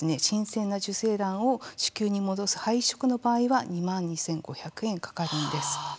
新鮮な受精卵を子宮に戻す胚移植の場合は２万２５００円かかるんです。